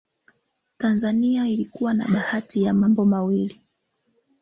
Tanzania ilikuwa na bahati ya mambo mawili